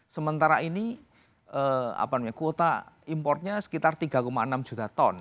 sementara ini kuota importnya sekitar tiga enam juta ton